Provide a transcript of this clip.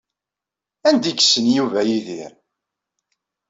Anda ay yessen Yuba Yidir?